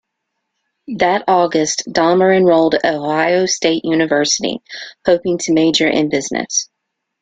That August, Dahmer enrolled at Ohio State University, hoping to major in business.